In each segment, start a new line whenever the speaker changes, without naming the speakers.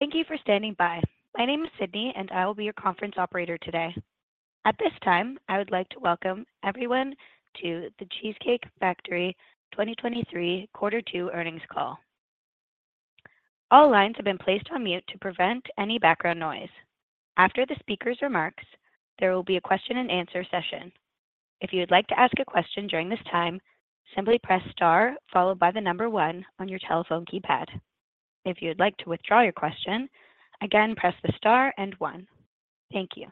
Thank you for standing by. My name is Sydney. I will be your conference operator today. At this time, I would like to welcome everyone to The Cheesecake Factory 2023 quarter two earnings call. All lines have been placed on mute to prevent any background noise. After the speaker's remarks, there will be a question-and-answer session. If you would like to ask a question during this time, simply press star followed by one on your telephone keypad. If you would like to withdraw your question, again, press the star and one. Thank you.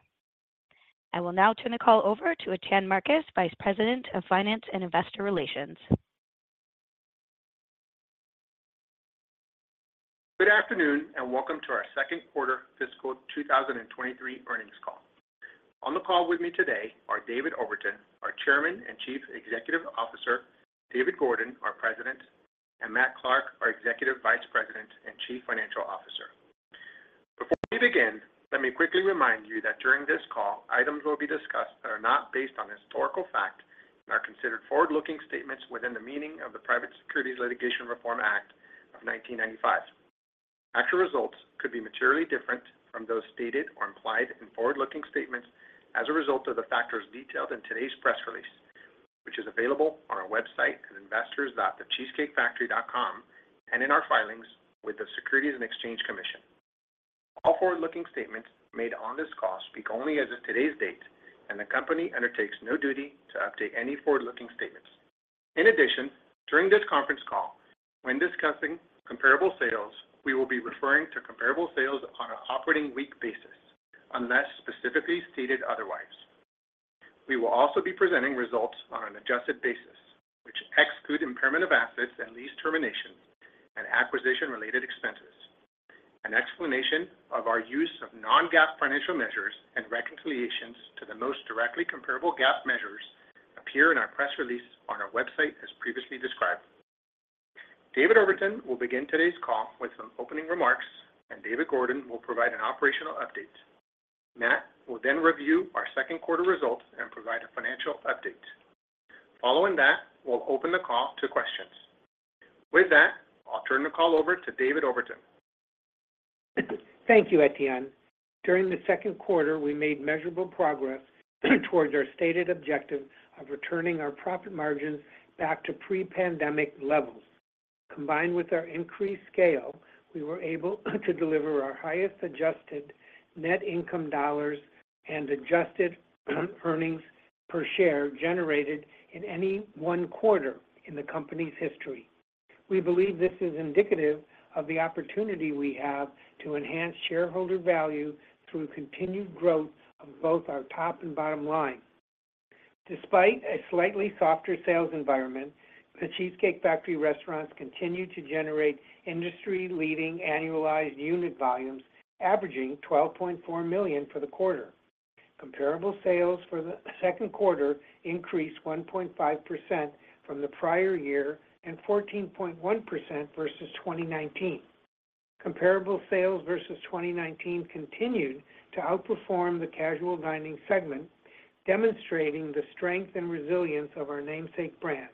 I will now turn the call over to Etienne Marcus, Vice President of Finance and Investor Relations.
Good afternoon, welcome to our second quarter fiscal 2023 earnings call. On the call with me today are David Overton, our Chairman and Chief Executive Officer, David Gordon, our President, and Matt Clark, our Executive Vice President and Chief Financial Officer. Before we begin, let me quickly remind you that during this call, items will be discussed that are not based on historical fact and are considered forward-looking statements within the meaning of the Private Securities Litigation Reform Act of 1995. Actual results could be materially different from those stated or implied in forward-looking statements as a result of the factors detailed in today's press release, which is available on our website at investors.thecheesecakefactory.com and in our filings with the Securities and Exchange Commission. All forward-looking statements made on this call speak only as of today's date, and the company undertakes no duty to update any forward-looking statements. In addition, during this conference call, when discussing comparable sales, we will be referring to comparable sales on an operating week basis, unless specifically stated otherwise. We will also be presenting results on an adjusted basis, which exclude impairment of assets and lease terminations and acquisition-related expenses. An explanation of our use of non-GAAP financial measures and reconciliations to the most directly comparable GAAP measures appear in our press release on our website, as previously described. David Overton will begin today's call with some opening remarks, and David Gordon will provide an operational update. Matt will then review our second quarter results and provide a financial update. Following that, we'll open the call to questions. With that, I'll turn the call over to David Overton.
Thank you, Etienne. During the second quarter, we made measurable progress towards our stated objective of returning our profit margins back to pre-pandemic levels. Combined with our increased scale, we were able to deliver our highest adjusted net income dollars and adjusted earnings per share generated in any one quarter in the company's history. We believe this is indicative of the opportunity we have to enhance shareholder value through continued growth of both our top and bottom line. Despite a slightly softer sales environment, The Cheesecake Factory restaurants continue to generate industry-leading annualized unit volumes, averaging $12.4 million for the quarter. Comparable sales for the second quarter increased 1.5% from the prior year and 14.1% versus 2019. Comparable sales versus 2019 continued to outperform the casual dining segment, demonstrating the strength and resilience of our namesake brand.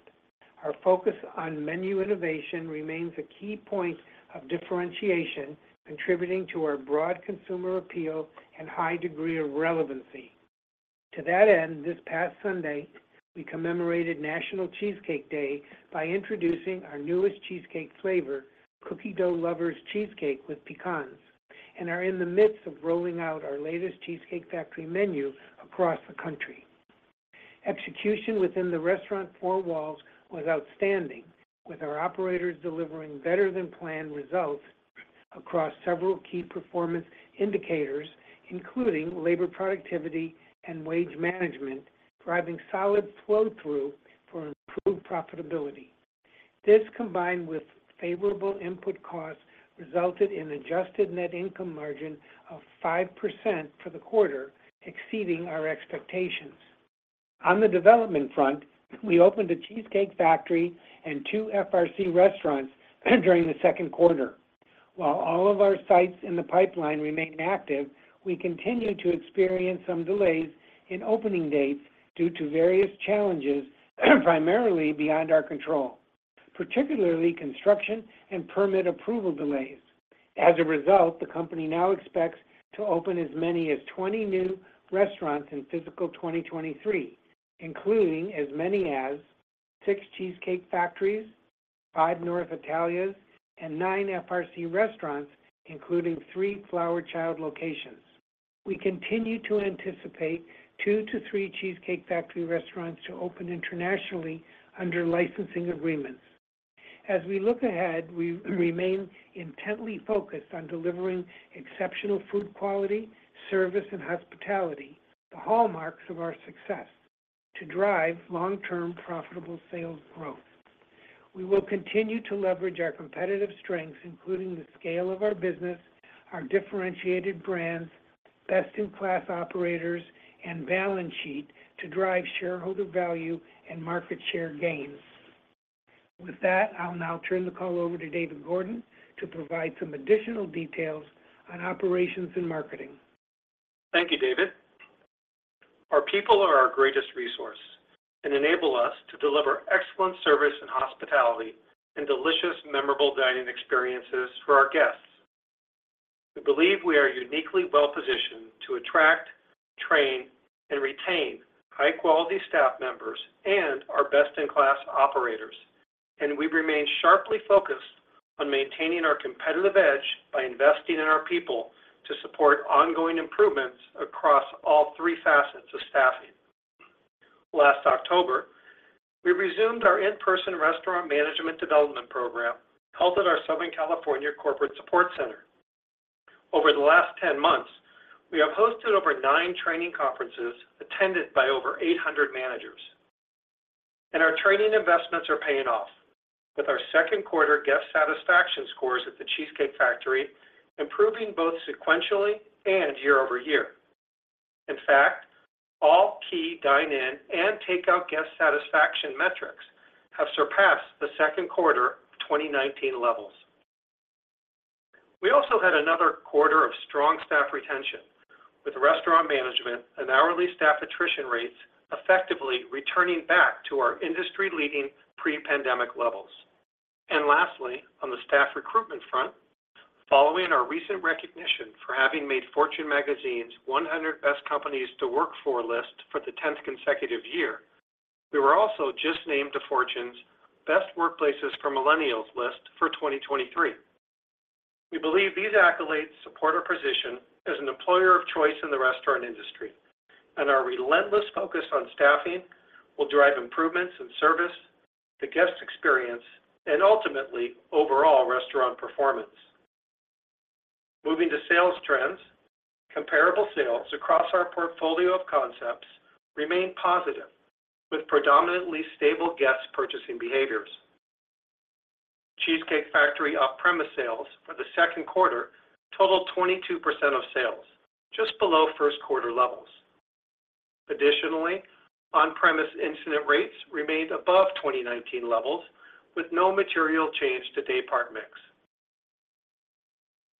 Our focus on menu innovation remains a key point of differentiation, contributing to our broad consumer appeal and high degree of relevancy. To that end, this past Sunday, we commemorated National Cheesecake Day by introducing our newest cheesecake flavor, Cookie Dough Lover's Cheesecake with Pecans, and are in the midst of rolling out our latest Cheesecake Factory menu across the country. Execution within the restaurant four walls was outstanding, with our operators delivering better-than-planned results across several key performance indicators, including labor productivity and wage management, driving solid flow-through for improved profitability. This, combined with favorable input costs, resulted in adjusted net income margin of 5% for the quarter, exceeding our expectations. On the development front, we opened a Cheesecake Factory and two FRC restaurants during the second quarter. While all of our sites in the pipeline remain active, we continue to experience some delays in opening dates due to various challenges, primarily beyond our control, particularly construction and permit approval delays. As a result, the company now expects to open as many as 20 new restaurants in fiscal 2023, including as many as six Cheesecake Factories, five North Italia, and nine FRC restaurants, including three Flower Child locations. We continue to anticipate two to three Cheesecake Factory restaurants to open internationally under licensing agreements. As we look ahead, we remain intently focused on delivering exceptional food quality, service, and hospitality, the hallmarks of our success, to drive long-term profitable sales growth. We will continue to leverage our competitive strengths, including the scale of our business, our differentiated brands, best-in-class operators, and balance sheet, to drive shareholder value and market share gains. With that, I'll now turn the call over to David Gordon to provide some additional details on operations and marketing.
Thank you, David. Our people are our greatest resource and enable us to deliver excellent service and hospitality and delicious, memorable dining experiences for our guests. We believe we are uniquely well-positioned to attract, train, and retain high-quality staff members and our best-in-class operators, and we remain sharply focused on maintaining our competitive edge by investing in our people to support ongoing improvements across all three facets of staffing. Last October, we resumed our in-person restaurant management development program, held at our Southern California Corporate Support Center. Over the last 10 months, we have hosted over 9 training conferences, attended by over 800 managers. Our training investments are paying off, with our second quarter guest satisfaction scores at The Cheesecake Factory improving both sequentially and year-over-year. In fact, all key dine-in and takeout guest satisfaction metrics have surpassed the second quarter of 2019 levels. We also had another quarter of strong staff retention, with restaurant management and hourly staff attrition rates effectively returning back to our industry-leading pre-pandemic levels. Lastly, on the staff recruitment front, following our recent recognition for having made Fortune magazine's 100 best companies to work for list for the 10th consecutive year, we were also just named to Fortune's Best Workplaces for Millennials list for 2023. We believe these accolades support our position as an employer of choice in the restaurant industry, and our relentless focus on staffing will drive improvements in service, the guest experience, and ultimately, overall restaurant performance. Moving to sales trends, comparable sales across our portfolio of concepts remain positive, with predominantly stable guest purchasing behaviors. The Cheesecake Factory off-premise sales for the second quarter totaled 22% of sales, just below first quarter levels. Additionally, on-premise incident rates remained above 2019 levels, with no material change to daypart mix.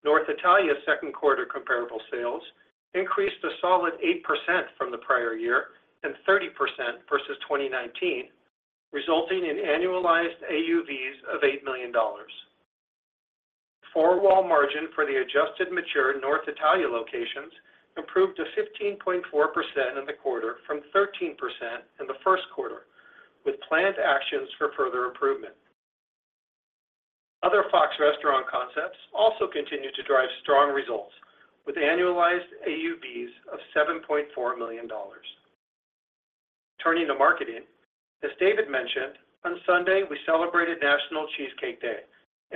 North Italia second quarter comparable sales increased a solid 8% from the prior year and 30% versus 2019, resulting in annualized AUVs of $8 million. Four-wall margin for the adjusted mature North Italia locations improved to 15.4% in the quarter from 13% in the first quarter, with planned actions for further improvement. Other Fox Restaurant Concepts also continued to drive strong results, with annualized AUVs of $7.4 million. Turning to marketing, as David mentioned, on Sunday, we celebrated National Cheesecake Day.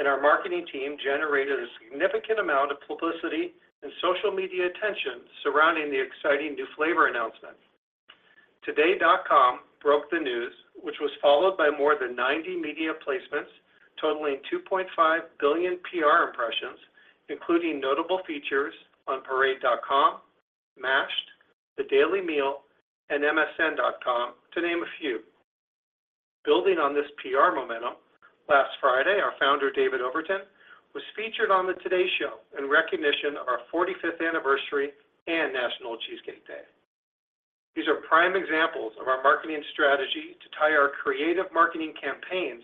Our marketing team generated a significant amount of publicity and social media attention surrounding the exciting new flavor announcement. Today.com broke the news, which was followed by more than 90 media placements, totaling 2.5 billion PR impressions, including notable features on parade.com, Mashed, The Daily Meal, and msn.com, to name a few. Building on this PR momentum, last Friday, our founder, David Overton, was featured on the Today Show in recognition of our 45th anniversary and National Cheesecake Day. These are prime examples of our marketing strategy to tie our creative marketing campaigns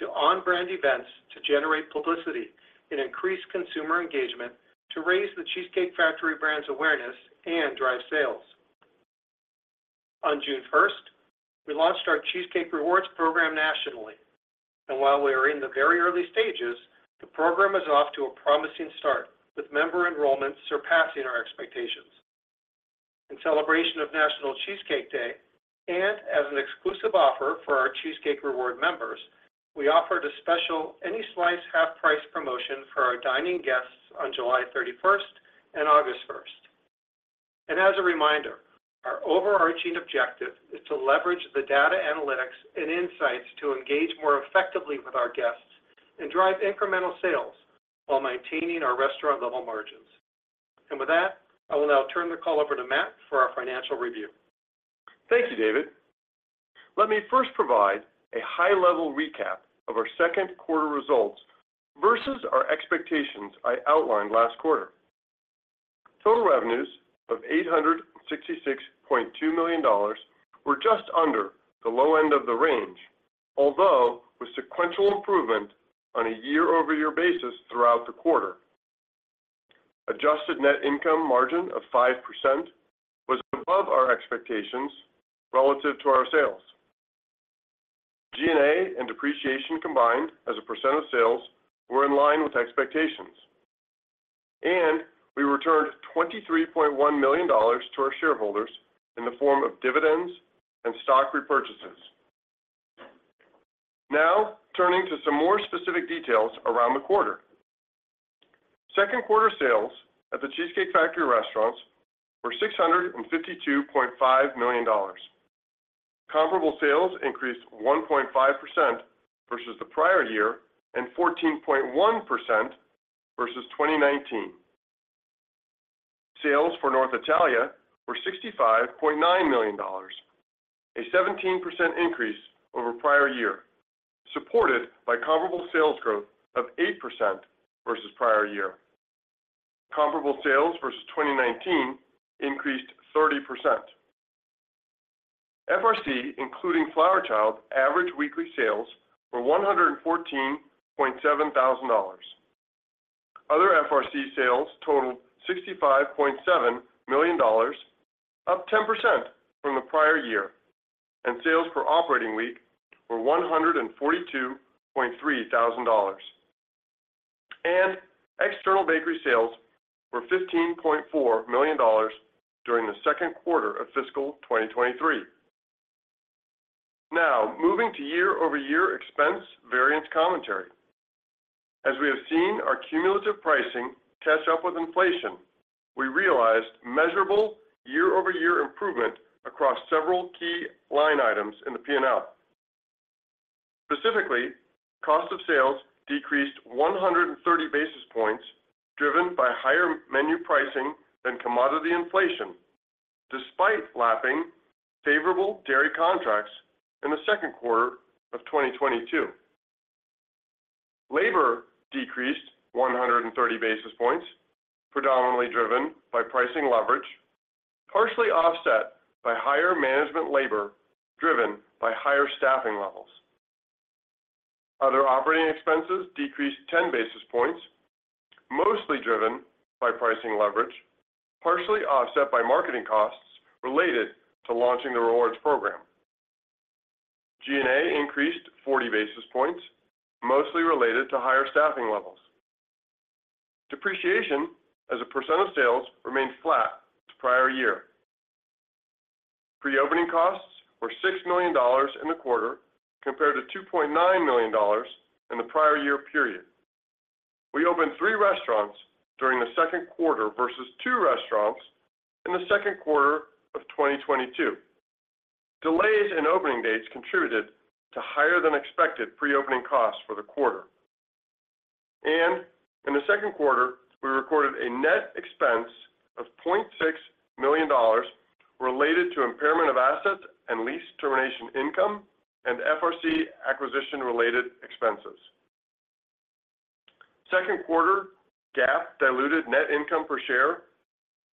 to on-brand events to generate publicity and increase consumer engagement, to raise The Cheesecake Factory brand's awareness and drive sales. On June 1st, we launched our Cheesecake Rewards program nationally, and while we are in the very early stages, the program is off to a promising start, with member enrollment surpassing our expectations. In celebration of National Cheesecake Day, and as an exclusive offer for our Cheesecake Reward members, we offered a special any slice, half price promotion for our dining guests on July 31st and August 1st. As a reminder, our overarching objective is to leverage the data analytics and insights to engage more effectively with our guests and drive incremental sales while maintaining our restaurant level margins. With that, I will now turn the call over to Matt for our financial review.
Thank you, David. Let me first provide a high-level recap of our second quarter results versus our expectations I outlined last quarter. Total revenues of $866.2 million were just under the low end of the range, although with sequential improvement on a year-over-year basis throughout the quarter. Adjusted net income margin of 5% was above our expectations relative to our sales. G&A and depreciation combined as a % of sales were in line with expectations, and we returned $23.1 million to our shareholders in the form of dividends and stock repurchases. Turning to some more specific details around the quarter. Second quarter sales at The Cheesecake Factory restaurants were $652.5 million. Comparable sales increased 1.5% versus the prior year and 14.1% versus 2019. Sales for North Italia were $65.9 million, a 17% increase over prior year, supported by comparable sales growth of 8% versus prior year. Comparable sales versus 2019 increased 30%. FRC, including Flower Child, average weekly sales were $114.7 thousand. Other FRC sales totaled $65.7 million, up 10% from the prior year, and sales per operating week were $142.3 thousand. External bakery sales were $15.4 million during the second quarter of fiscal 2023. Now, moving to year-over-year expense variance commentary. As we have seen our cumulative pricing catch up with inflation, we realized measurable year-over-year improvement across several key line items in the P&L. Specifically, cost of sales decreased 130 basis points, driven by higher menu pricing than commodity inflation, despite lapping favorable dairy contracts in the second quarter of 2022. Labor decreased 130 basis points, predominantly driven by pricing leverage, partially offset by higher management labor, driven by higher staffing levels. Other operating expenses decreased 10 basis points, mostly driven by pricing leverage, partially offset by marketing costs related to launching the rewards program. G&A increased 40 basis points, mostly related to higher staffing levels. Depreciation as a % of sales remained flat to prior year. Pre-opening costs were $6 million in the quarter, compared to $2.9 million in the prior year period. We opened three restaurants during the second quarter versus two restaurants in the second quarter of 2022. Delays in opening dates contributed to higher than expected pre-opening costs for the quarter. In the second quarter, we recorded a net expense of $0.6 million related to impairment of assets and lease termination income and FRC acquisition-related expenses. Second quarter GAAP diluted net income per share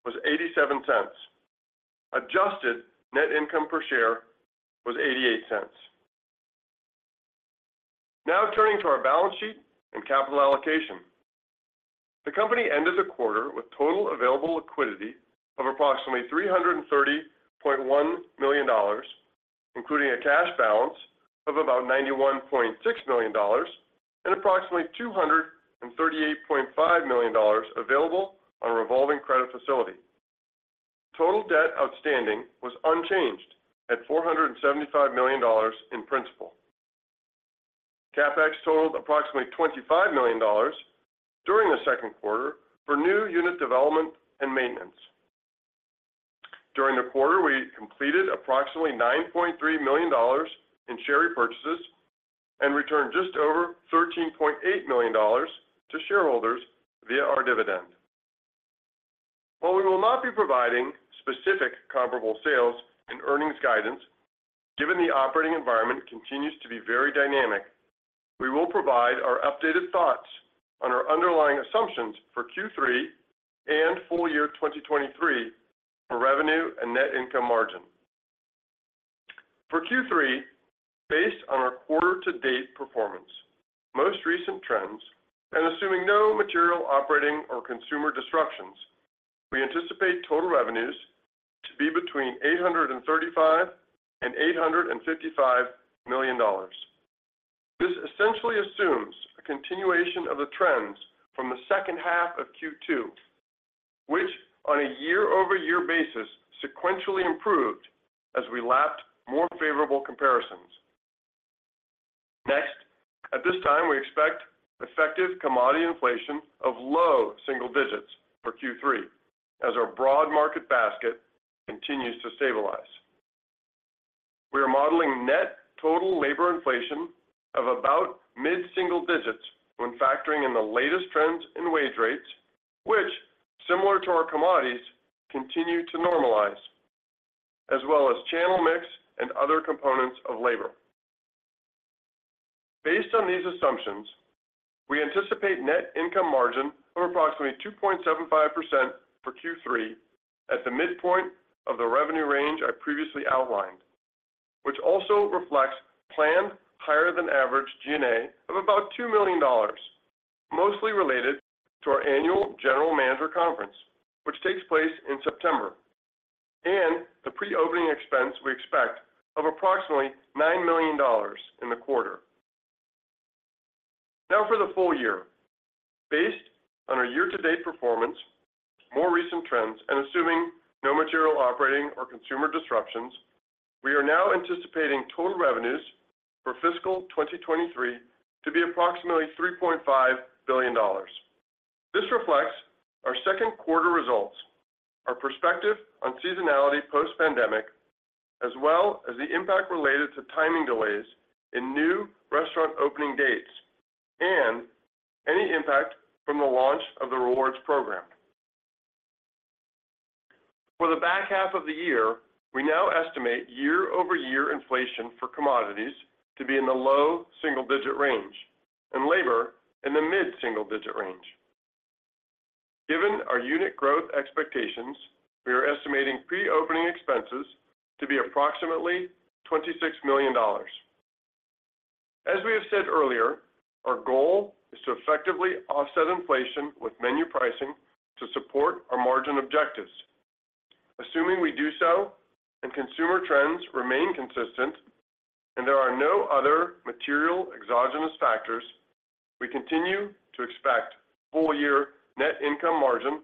was $0.87. Adjusted net income per share was $0.88. Now turning to our balance sheet and capital allocation. The company ended the quarter with total available liquidity of approximately $330.1 million, including a cash balance of about $91.6 million and approximately $238.5 million available on a revolving credit facility. Total debt outstanding was unchanged at $475 million in principal. CapEx totaled approximately $25 million during the second quarter for new unit development and maintenance. During the quarter, we completed approximately $9.3 million in share repurchases and returned just over $13.8 million to shareholders via our dividend. While we will not be providing specific comparable sales and earnings guidance, given the operating environment continues to be very dynamic, we will provide our updated thoughts on our underlying assumptions for Q3 and full year 2023 for revenue and net income margin. For Q3, based on our quarter-to-date performance, most recent trends, and assuming no material operating or consumer disruptions, we anticipate total revenues to be between $835 million and $855 million. This essentially assumes a continuation of the trends from the second half of Q2, which on a year-over-year basis, sequentially improved as we lapped more favorable comparisons. At this time, we expect effective commodity inflation of low single digits for Q3 as our broad market basket continues to stabilize. We are modeling net total labor inflation of about mid-single digits when factoring in the latest trends in wage rates, which, similar to our commodities, continue to normalize, as well as channel mix and other components of labor. Based on these assumptions, we anticipate net income margin of approximately 2.75% for Q3 at the midpoint of the revenue range I previously outlined, which also reflects planned higher than average G&A of about $2 million, mostly related to our annual general manager conference, which takes place in September, and the pre-opening expense we expect of approximately $9 million in the quarter. For the full year. Based on our year-to-date performance, more recent trends, and assuming no material operating or consumer disruptions, we are now anticipating total revenues for fiscal 2023 to be approximately $3.5 billion. This reflects our second quarter results, our perspective on seasonality post-pandemic, as well as the impact related to timing delays in new restaurant opening dates and any impact from the launch of the rewards program. For the back half of the year, we now estimate year-over-year inflation for commodities to be in the low single-digit range, and labor in the mid single-digit range. Given our unit growth expectations, we are estimating pre-opening expenses to be approximately $26 million. As we have said earlier, our goal is to effectively offset inflation with menu pricing to support our margin objectives. Assuming we do so and consumer trends remain consistent, and there are no other material exogenous factors, we continue to expect full year net income margin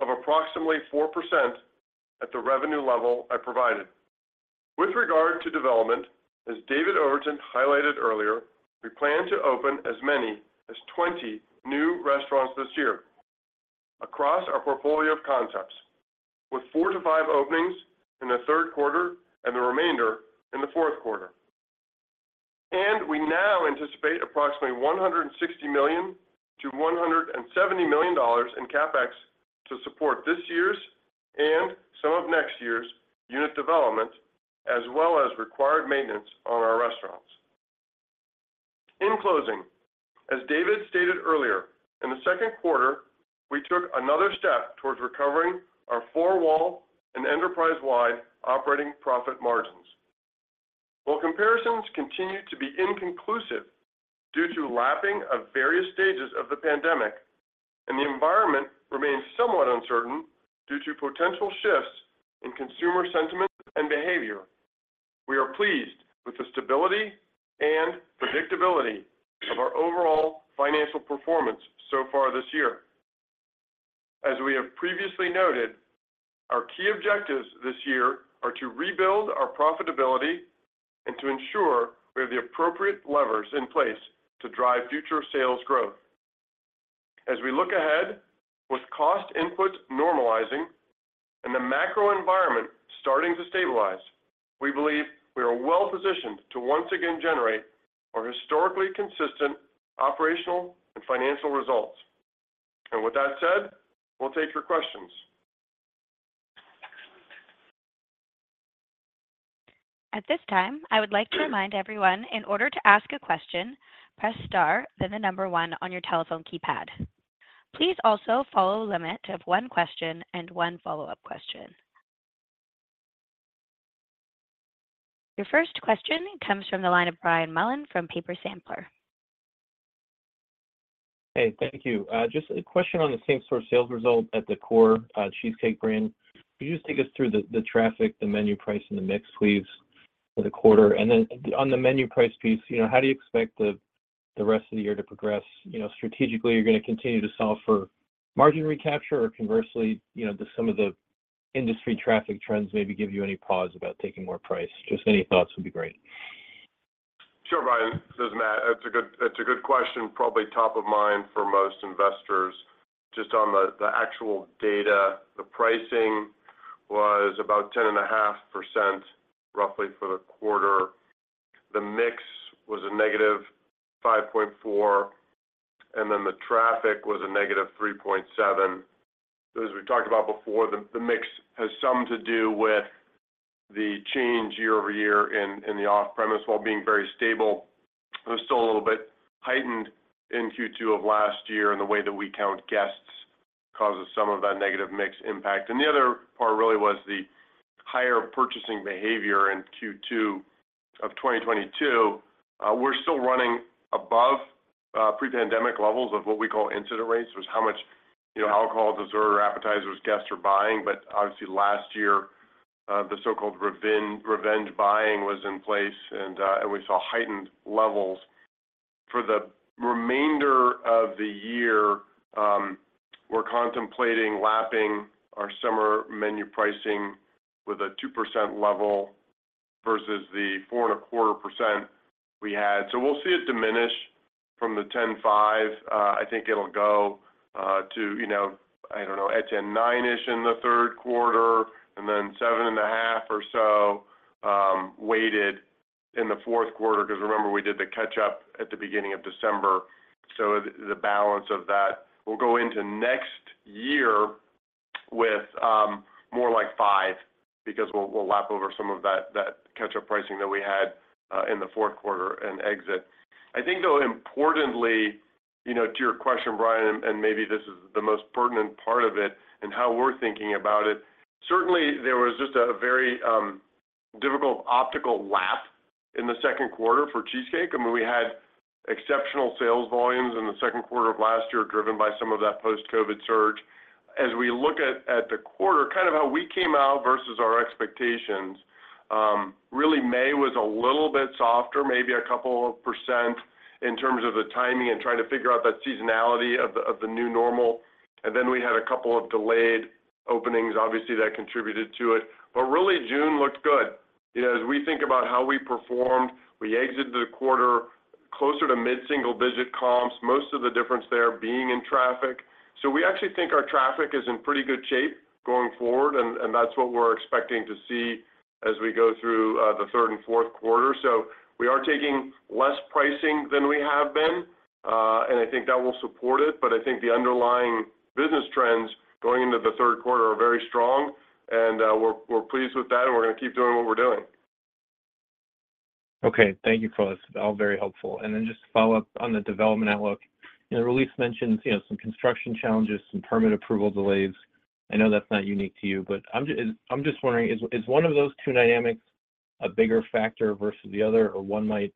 of approximately 4% at the revenue level I provided. With regard to development, as David Overton highlighted earlier, we plan to open as many as 20 new restaurants this year across our portfolio of concepts, with 4-5 openings in the third quarter and the remainder in the fourth quarter. We now anticipate approximately $160 million-$170 million in CapEx to support this year's and some of next year's unit development, as well as required maintenance on our restaurants. In closing, as David stated earlier, in the second quarter, we took another step towards recovering our four walls and enterprise-wide operating profit margins. While comparisons continue to be inconclusive due to lapping of various stages of the pandemic, and the environment remains somewhat uncertain due to potential shifts in consumer sentiment and behavior, we are pleased with the stability and predictability of our overall financial performance so far this year. As we have previously noted, our key objectives this year are to rebuild our profitability and to ensure we have the appropriate levers in place to drive future sales growth. As we look ahead, with cost input normalizing and the macro environment starting to stabilize, we believe we are well positioned to once again generate our historically consistent operational and financial results. With that said, we'll take your questions.
At this time, I would like to remind everyone, in order to ask a question, press star, then one on your telephone keypad. Please also follow a limit of one question and one follow-up question. Your first question comes from the line of Brian Mullan from Piper Sandler.
Hey, thank you. Just a question on the same-store sales result at the core Cheesecake brand. Could you just take us through the traffic, the menu price, and the mix leaves for the quarter? On the menu price piece, you know, how do you expect the rest of the year to progress? You know, strategically, are you gonna continue to solve for margin recapture, or conversely, you know, do some of the industry traffic trends maybe give you any pause about taking more price? Just any thoughts would be great.
Sure, Brian. This is Matt. It's a good, it's a good question, probably top of mind for most investors. Just on the, the actual data, the pricing was about 10.5%, roughly for the quarter. The mix was a -5.4, then the traffic was a -3.7. As we talked about before, the, the mix has some to do with the change year-over-year in, in the off-premise, while being very stable. It was still a little bit heightened in Q2 of last year, and the way that we count guests causes some of that negative mix impact. The other part really was the higher purchasing behavior in Q2 of 2022. We're still running above pre-pandemic levels of what we call incident rates, was how much, you know, alcohol, dessert, or appetizers guests are buying. Obviously last year, the so-called revenge buying was in place, we saw heightened levels. For the remainder of the year, we're contemplating lapping our summer menu pricing with a 2% level versus the 4.25% we had. We'll see it diminish from the 10.5%. I think it'll go to, you know, I don't know, at 10.9%-ish in the third quarter and then 7.5% or so, weighted in the fourth quarter, 'cause remember, we did the catch-up at the beginning of December. The balance of that will go into next year with more like 5%, because we'll, we'll lap over some of that, that catch-up pricing that we had in the fourth quarter and exit. I think, though, importantly, you know, to your question, Brian, and maybe this is the most pertinent part of it and how we're thinking about it, certainly, there was just a very difficult optical lap in the second quarter for Cheesecake. I mean, we had exceptional sales volumes in the second quarter of last year, driven by some of that post-COVID surge. As we look at, at the quarter, kind of how we came out versus our expectations, really, May was a little bit softer, maybe a couple of % in terms of the timing and trying to figure out that seasonality of the, of the new normal. Then we had a couple of delayed openings, obviously, that contributed to it. Really, June looked good. You know, as we think about how we performed, we exited the quarter closer to mid-single-digit comps, most of the difference there being in traffic. We actually think our traffic is in pretty good shape going forward, and, and that's what we're expecting to see as we go through the third and fourth quarter. We are taking less pricing than we have been. I think that will support it, but I think the underlying business trends going into the third quarter are very strong, and we're, we're pleased with that, and we're gonna keep doing what we're doing.
Okay, thank you for this. All very helpful. Just to follow up on the development outlook, you know, the release mentions, you know, some construction challenges, some permit approval delays. I know that's not unique to you, but I'm just wondering, is one of those two dynamics a bigger factor versus the other, or one might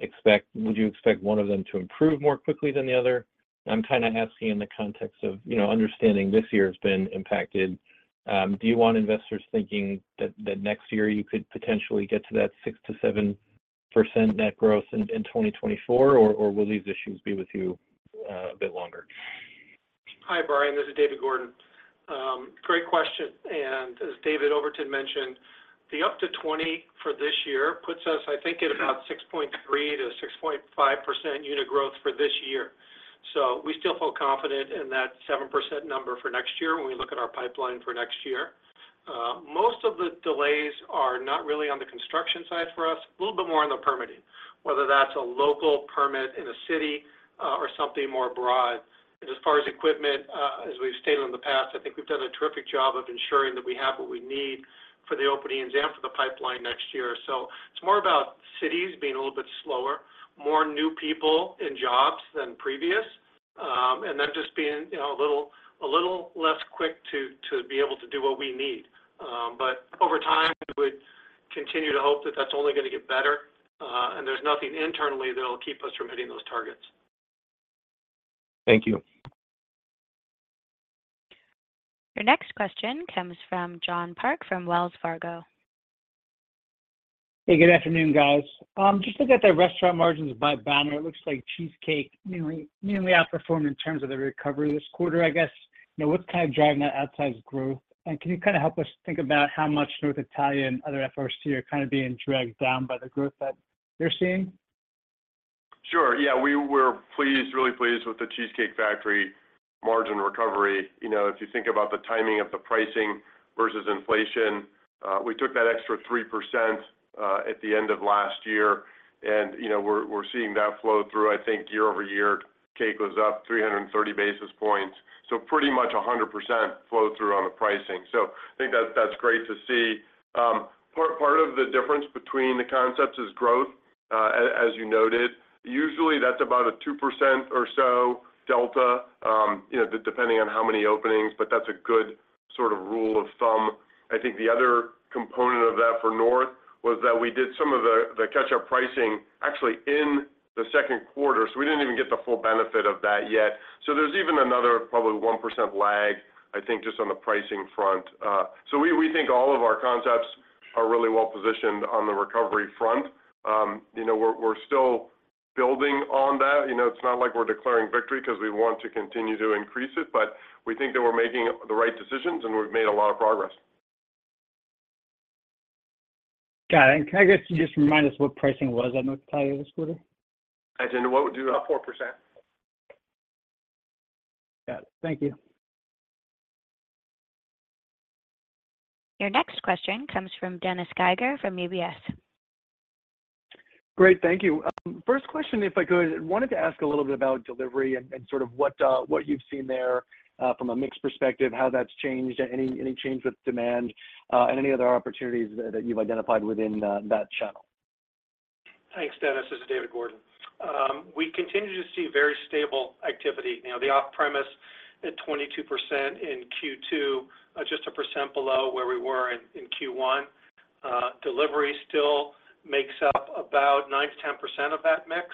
expect, would you expect one of them to improve more quickly than the other? I'm kinda asking in the context of, you know, understanding this year has been impacted. Do you want investors thinking that next year you could potentially get to that 6%-7% net growth in 2024, or will these issues be with you a bit longer?
Hi, Brian, this is David Gordon. Great question, as David Overton mentioned, the up to 20 for this year puts us, I think, at about 6.3%-6.5% unit growth for this year. We still feel confident in that 7% number for next year when we look at our pipeline for next year. Most of the delays are not really on the construction side for us, a little bit more on the permitting, whether that's a local permit in a city, or something more broad. As far as equipment, as we've stated in the past, I think we've done a terrific job of ensuring that we have what we need for the openings and for the pipeline next year. It's more about cities being a little bit slower, more new people in jobs than previous, and them just being, you know, a little, a little less quick to, to be able to do what we need. Over time, we would continue to hope that that's only gonna get better, and there's nothing internally that'll keep us from hitting those targets.
Thank you.
Your next question comes from John Park, from Wells Fargo.
Hey, good afternoon, guys. Just looking at the restaurant margins by banner, it looks like Cheesecake newly, newly outperformed in terms of the recovery this quarter, I guess. You know, what's kind of driving that outsized growth? Can you kind of help us think about how much North Italia other FRC are kind of being dragged down by the growth that you're seeing?
Sure. Yeah, we were pleased, really pleased with The Cheesecake Factory margin recovery. You know, if you think about the timing of the pricing versus inflation, we took that extra 3% at the end of last year, you know, we're, we're seeing that flow-through. I think year-over-year, Cake was up 330 basis points, so pretty much 100% flow-through on the pricing. I think that's, that's great to see. Part, part of the difference between the concepts is growth, as you noted. Usually, that's about a 2% or so delta, you know, depending on how many openings, but that's a good sort of rule of thumb. I think the other component of that for North was that we did some of the, the catch-up pricing actually in the second quarter, so we didn't even get the full benefit of that yet. There's even another probably 1% lag, I think, just on the pricing front. We, we think all of our concepts are really well positioned on the recovery front. You know, we're, we're still building on that. You know, it's not like we're declaring victory 'cause we want to continue to increase it, but we think that we're making the right decisions, and we've made a lot of progress.
Got it. Can I guess you just remind us what pricing was on North Italia this quarter?
As in what we do, 4%.
Got it. Thank you.
Your next question comes from Dennis Geiger from UBS.
Great, thank you. First question, if I could, I wanted to ask a little bit about delivery and, and sort of what, what you've seen there, from a mix perspective, how that's changed, any, any change with demand, and any other opportunities that, that you've identified within that, that channel?
Thanks, Dennis. This is David Gordon. We continue to see very stable activity. You know, the off-premise at 22% in Q2, just 1% below where we were in Q1. Delivery still makes up about 9%-10% of that mix.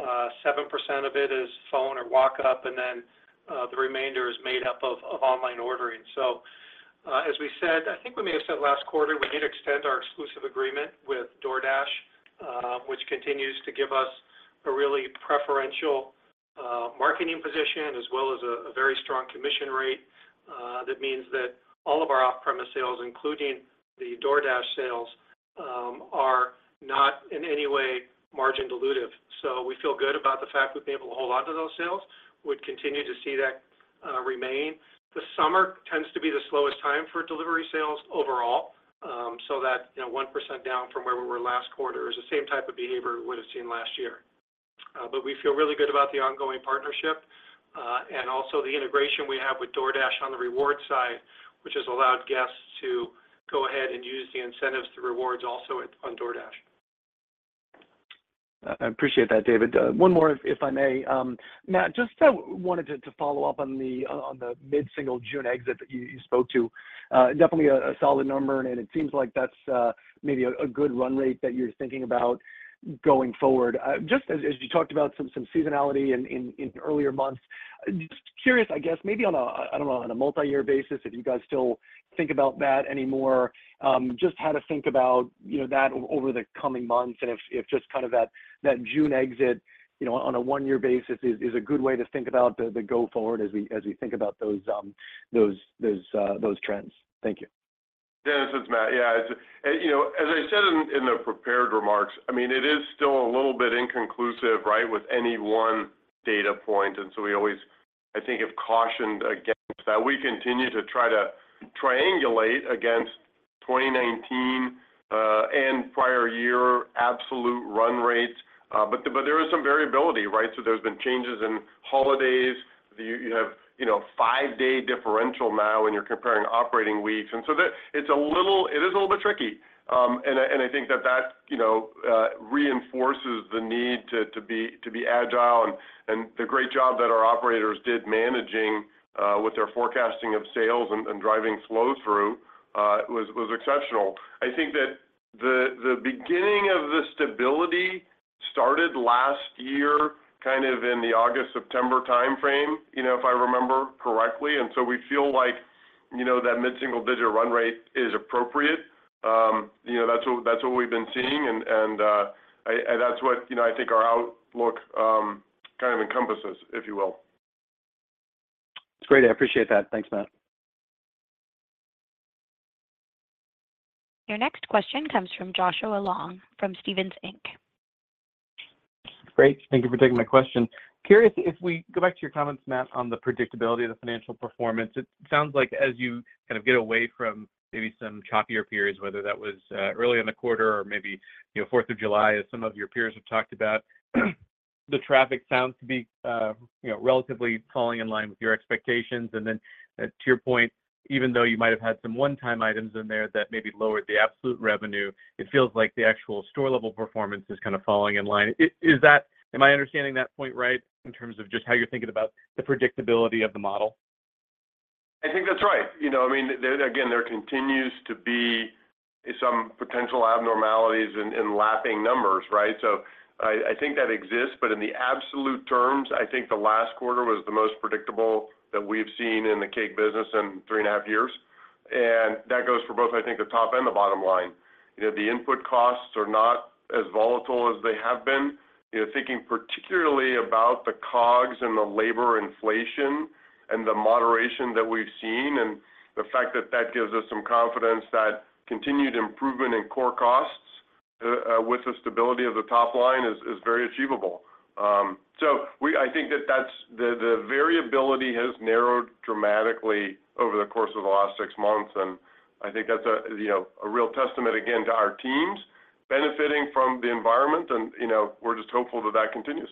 7% of it is phone or walk-up, and then the remainder is made up of online ordering. So, as we said, I think we may have said last quarter, we did extend our exclusive agreement with DoorDash, which continues to give us a really preferential marketing position, as well as a very strong commission rate. That means that all of our off-premise sales, including the DoorDash sales, are not in any way margin dilutive. So we feel good about the fact we've been able to hold on to those sales. We'd continue to see that remain. The summer tends to be the slowest time for delivery sales overall, so that, you know, 1% down from where we were last quarter is the same type of behavior we would have seen last year. We feel really good about the ongoing partnership, and also the integration we have with DoorDash on the reward side, which has allowed guests to go ahead and use the incentives, the rewards also at, on DoorDash.
I appreciate that, David. 1 more, if, if I may. Matt, just wanted to, to follow up on the, on, on the mid-single June exit that you, you spoke to. Definitely a, a solid number, and it seems like that's maybe a, a good run rate that you're thinking about going forward. Just as, as you talked about some, some seasonality in, in, in earlier months, just curious, I guess, maybe on a, I don't know, on a multi-year basis, if you guys still think about that anymore, just how to think about, you know, that over the coming months and if, if just kind of that, that June exit, you know, on a 1-year basis is, is a good way to think about the, the go forward as we, as we think about those, those, those trends. Thank you.
Dennis, it's Matt. Yeah, it's, and, you know, as I said in the prepared remarks, I mean, it is still a little bit inconclusive, right, with any 1 data point, and so we always, I think, have cautioned against that. We continue to try to triangulate against 2019 and prior year absolute run rates. There is some variability, right? There's been changes in holidays. You, you have, you know, 5-day differential now when you're comparing operating weeks. So it's a little bit tricky. I think that that, you know, reinforces the need to be agile, and the great job that our operators did managing with their forecasting of sales and driving flow-through was exceptional. I think that the beginning of the stability started last year, kind of in the August, September time frame, you know, if I remember correctly. So we feel like, you know, that mid-single-digit run rate is appropriate. You know, that's what, that's what we've been seeing, and, and that's what, you know, I think our outlook kind of encompasses, if you will.
It's great. I appreciate that. Thanks, Matt.
Your next question comes from Joshua Long from Stephens Inc.
Great. Thank you for taking my question. Curious, if we go back to your comments, Matt, on the predictability of the financial performance, it sounds like as you kind of get away from maybe some choppier periods, whether that was early in the quarter or maybe, you know, Fourth of July, as some of your peers have talked about, the traffic sounds to be, you know, relatively falling in line with your expectations. To your point, even though you might have had some one-time items in there that maybe lowered the absolute revenue, it feels like the actual store-level performance is kind of falling in line. Am I understanding that point right, in terms of just how you're thinking about the predictability of the model?
I think that's right. You know, I mean, there, again, there continues to be some potential abnormalities in, in lapping numbers, right? I, I think that exists, but in the absolute terms, I think the last quarter was the most predictable that we've seen in the cake business in 3 and a half years. That goes for both, I think, the top and the bottom line. You know, the input costs are not as volatile as they have been. You know, thinking particularly about the COGS and the labor inflation and the moderation that we've seen, and the fact that that gives us some confidence that continued improvement in core costs, with the stability of the top line is, is very achievable. I think that that's the, the variability has narrowed dramatically over the course of the last 6 months. I think that's a, you know, a real testament again to our teams benefiting from the environment. You know, we're just hopeful that that continues.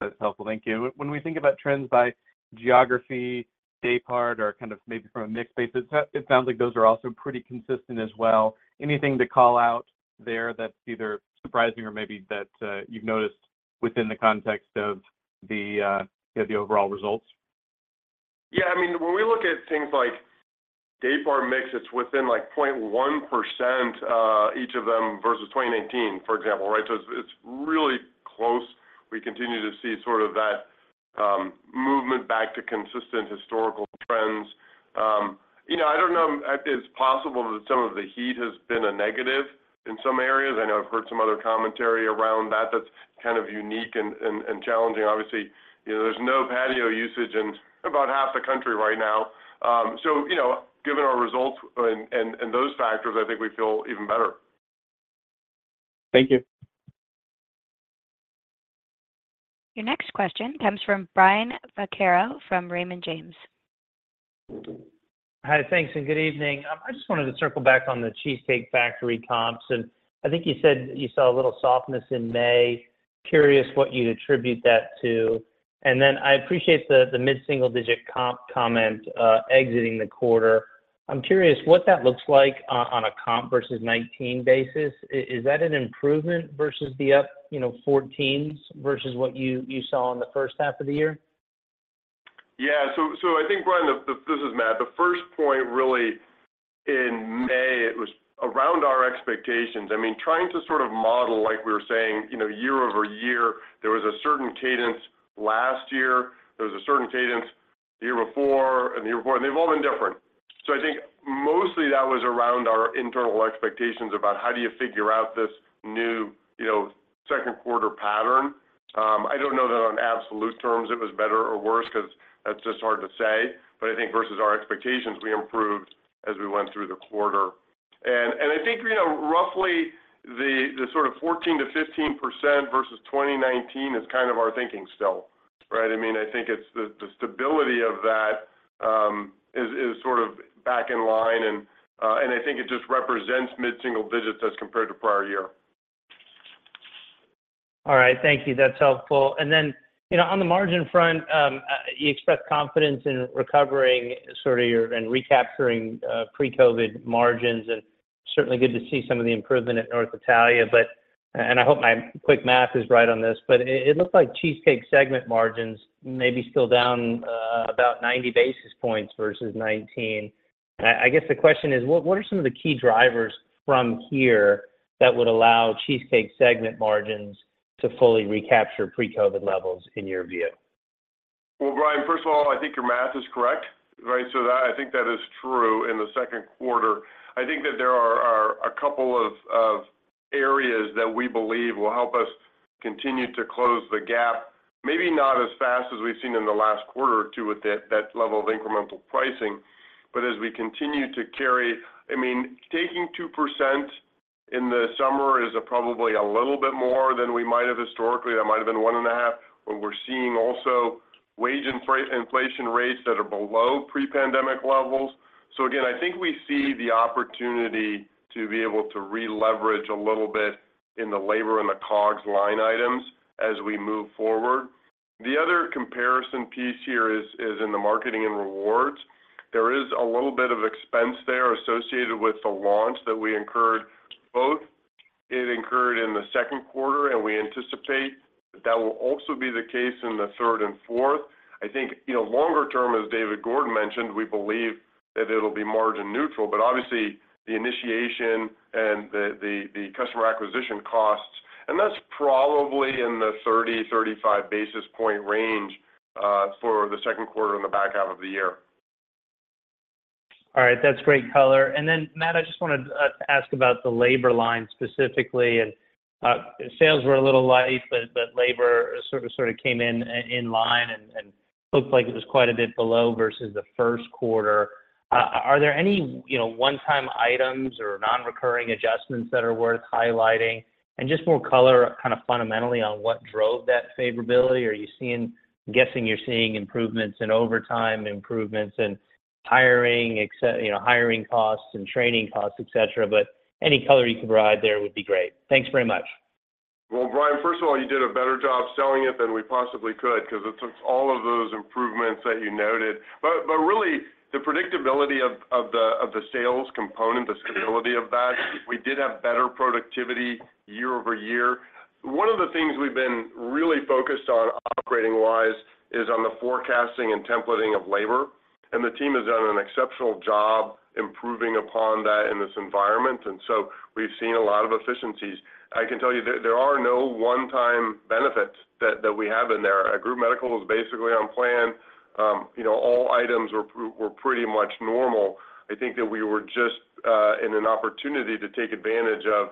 That's helpful. Thank you. When we think about trends by geography, day part, or kind of maybe from a mix basis, it sounds like those are also pretty consistent as well. Anything to call out there that's either surprising or maybe that you've noticed within the context of the overall results?
Yeah, I mean, when we look at things like day part mix, it's within, like, 0.1%, each of them versus 2019, for example, right? It's, it's really close. We continue to see sort of that movement back to consistent historical trends. You know, I don't know, it's possible that some of the heat has been a negative in some areas. I know I've heard some other commentary around that. That's kind of unique and, and, and challenging. Obviously, you know, there's no patio usage in about half the country right now. You know, given our results and, and, and those factors, I think we feel even better.
Thank you.
Your next question comes from Brian Vaccaro from Raymond James.
Hi, thanks, and good evening. I just wanted to circle back on The Cheesecake Factory comps, and I think you said you saw a little softness in May. Curious what you'd attribute that to. I appreciate the mid-single-digit comp comment exiting the quarter. I'm curious what that looks like on a comp versus 2019 basis. Is that an improvement versus the up, you know, 14s versus what you saw in the 1st half of the year?
Yeah. I think, Brian, this is Matt. The first point, really in May, it was around our expectations. I mean, trying to sort of model, like we were saying, you know, year-over-year, there was a certain cadence last year, there was a certain cadence the year before, and the year before, and they've all been different. I think mostly that was around our internal expectations about how do you figure out this new, you know, second quarter pattern. I don't know that on absolute terms it was better or worse because that's just hard to say, but I think versus our expectations, we improved as we went through the quarter. I think, you know, roughly the, the sort of 14%-15% versus 2019 is kind of our thinking still, right? I mean, I think it's the, the stability of that, is, is sort of back in line, and I think it just represents mid-single digits as compared to prior year.
All right. Thank you. That's helpful. You know, on the margin front, you expressed confidence in recovering sort of your, and recapturing, pre-COVID margins, and certainly good to see some of the improvement at North Italia. And I hope my quick math is right on this, but it looked like Cheesecake segment margins may be still down about 90 basis points versus 2019. I guess the question is: what are some of the key drivers from here that would allow Cheesecake segment margins to fully recapture pre-COVID levels in your view?
Well, Brian, first of all, I think your math is correct, right? That, I think that is true in the second quarter. I think that there are a couple of areas that we believe will help us continue to close the gap, maybe not as fast as we've seen in the last quarter or two with that, that level of incremental pricing. As we continue to carry, I mean, taking 2% in the summer is probably a little bit more than we might have historically. That might have been 1.5%, but we're seeing also wage inflation rates that are below pre-pandemic levels. Again, I think we see the opportunity to be able to re-leverage a little bit in the labor and the COGS line items as we move forward. The other comparison piece here is in the marketing and rewards. There is a little bit of expense there associated with the launch that we incurred. Both it incurred in the second quarter, we anticipate that will also be the case in the third and fourth. I think, you know, longer term, as David Gordon mentioned, we believe that it'll be margin neutral, obviously, the initiation and the customer acquisition costs, and that's probably in the 30-35 basis point range for the second quarter and the back half of the year.
All right. That's great color. Then, Matt, I just wanted to ask about the labor line specifically, and sales were a little light, but labor sort of came in line and looked like it was quite a bit below versus the first quarter. Are there any, you know, one-time items or non-recurring adjustments that are worth highlighting? Just more color, kind of fundamentally on what drove that favorability. I'm guessing you're seeing improvements in overtime, improvements in hiring, except, you know, hiring costs and training costs, et cetera, but any color you could provide there would be great. Thanks very much.
Well, Brian, first of all, you did a better job selling it than we possibly could because it took all of those improvements that you noted. But really, the predictability of the sales component, the stability of that, we did have better productivity year-over-year. One of the things we've been really focused on operating-wise is on the forecasting and templating of labor, and the team has done an exceptional job improving upon that in this environment, and so we've seen a lot of efficiencies. I can tell you there, there are no one-time benefits that we have in there. Our group medical is basically on plan. You know, all items were pretty much normal. I think that we were just in an opportunity to take advantage of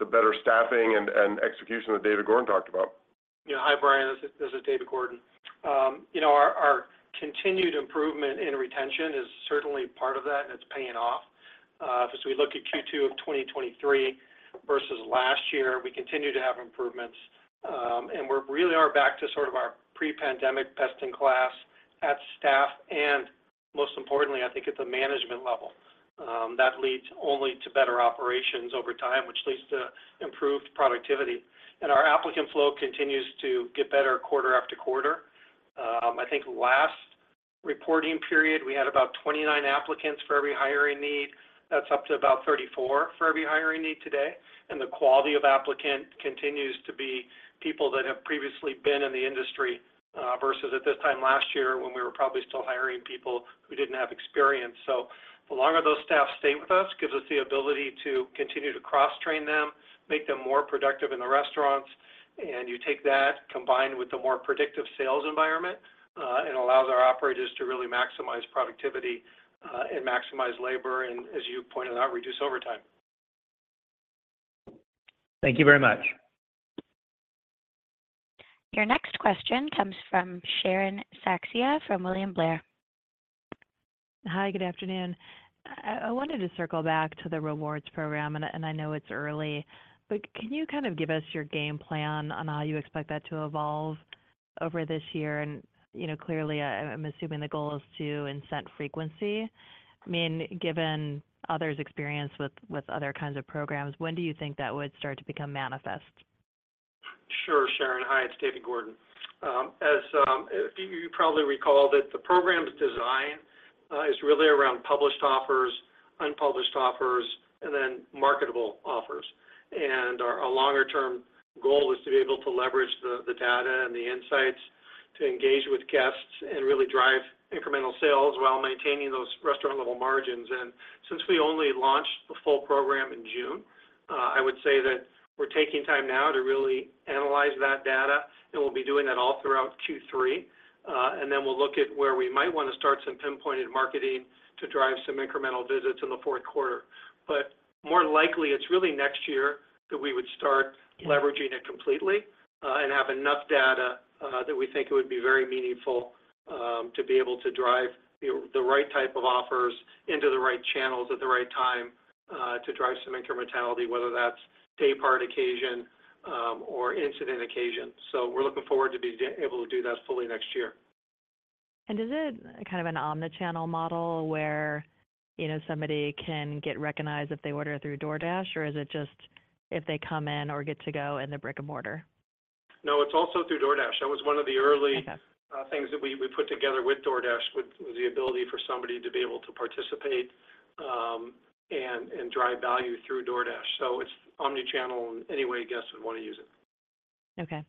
the better staffing and execution that David Gordon talked about.
Yeah. Hi, Brian. This is, this is David Gordon. you know, our, our continued improvement in retention is certainly part of that, and it's paying off. as we look at Q2 of 2023 versus last year, we continue to have improvements, and we really are back to sort of our pre-pandemic best-in-class at staff, and most importantly, I think at the management level. That leads only to better operations over time, which leads to improved productivity. Our applicant flow continues to get better quarter after quarter. I think last reporting period, we had about 29 applicants for every hiring need. That's up to about 34 for every hiring need today, and the quality of applicant continues to be people that have previously been in the industry, versus at this time last year, when we were probably still hiring people who didn't have experience. The longer those staff stay with us, gives us the ability to continue to cross-train them, make them more productive in the restaurants, and you take that, combined with the more predictive sales environment, it allows our operators to really maximize productivity, and maximize labor, and as you pointed out, reduce overtime.
Thank you very much.
Your next question comes from Sharon Zackfia from William Blair.
Hi, good afternoon. I, I wanted to circle back to the rewards program, and I, and I know it's early, but can you kind of give us your game plan on how you expect that to evolve over this year? You know, clearly, I, I'm assuming the goal is to incent frequency. Given others' experience with, with other kinds of programs, when do you think that would start to become manifest?
Sure, Sharon. Hi, it's David Gordon. As you, you probably recall that the program's design is really around published offers, unpublished offers, and then marketable offers. Our, our longer-term goal is to be able to leverage the, the data and the insights to engage with guests and really drive incremental sales while maintaining those restaurant-level margins. Since we only launched the full program in June, I would say that we're taking time now to really analyze that data, and we'll be doing that all throughout Q3. Then we'll look at where we might want to start some pinpointed marketing to drive some incremental visits in the fourth quarter. More likely, it's really next year that we would start leveraging it completely, and have enough data, that we think it would be very meaningful, to be able to drive the, the right type of offers into the right channels at the right time, to drive some incrementality, whether that's day-part occasion, or incident occasion. We're looking forward to be able to do that fully next year.
Is it kind of an omni-channel model where, you know, somebody can get recognized if they order through DoorDash, or is it just if they come in or get to go in the brick-and-mortar?
No, it's also through DoorDash. That was one of the.
Okay.
Things that we, we put together with DoorDash, with, was the ability for somebody to be able to participate, and, and drive value through DoorDash. It's omni-channel in any way guests would want to use it.
Okay.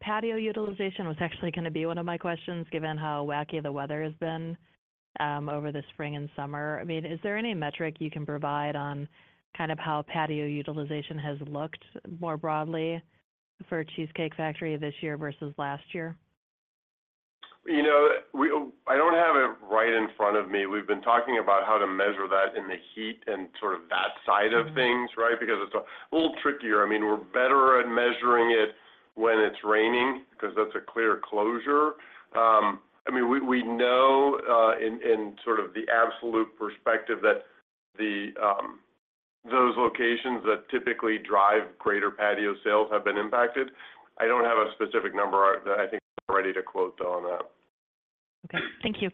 patio utilization was actually gonna be one of my questions, given how wacky the weather has been over the spring and summer. I mean, is there any metric you can provide on kind of how patio utilization has looked more broadly for The Cheesecake Factory this year versus last year?
You know, we I don't have it right in front of me. We've been talking about how to measure that in the heat and sort of side of things, right? Because it's a little trickier. I mean, we're better at measuring it when it's raining, because that's a clear closure. I mean, we, we know, in, in sort of the absolute perspective that the, those locations that typically drive greater patio sales have been impacted. I don't have a specific number that I think we're ready to quote on that.
Okay. Thank you.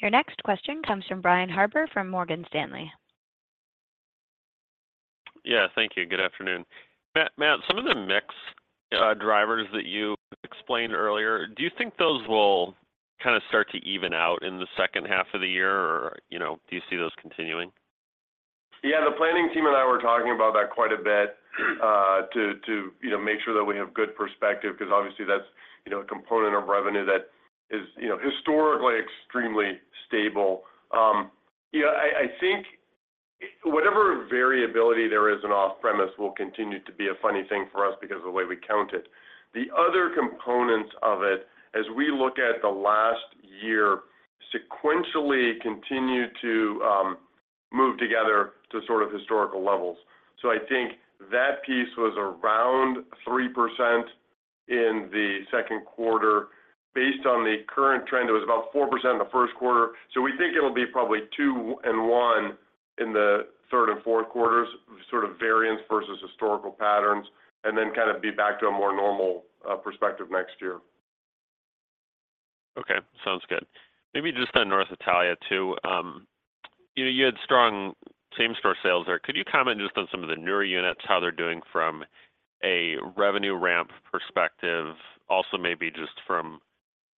Your next question comes from Brian Harbour, from Morgan Stanley.
Yeah, thank you. Good afternoon. Matt, Matt, some of the mix drivers that you explained earlier, do you think those will kind of start to even out in the second half of the year or, you know, do you see those continuing?
Yeah, the planning team and I were talking about that quite a bit, to, to, you know, make sure that we have good perspective, because obviously, that's, you know, a component of revenue that is, you know, historically extremely stable. Yeah, I, I think whatever variability there is in off-premise will continue to be a funny thing for us because of the way we count it. The other components of it, as we look at the last year, sequentially continued to move together to sort of historical levels. I think that piece was around 3% in the second quarter. Based on the current trend, it was about 4% in the first quarter. We think it'll be probably 2 and 1 in the 3rd and 4th quarters, sort of variance versus historical patterns, and then kind of be back to a more normal perspective next year.
Okay, sounds good. Maybe just on North Italia, too. You know, you had strong same-store sales there. Could you comment just on some of the newer units, how they're doing from a revenue ramp perspective? Also, maybe just from